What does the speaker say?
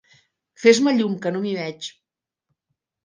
Fes-me llum, que no m'hi veig!